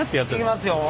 いきますよ。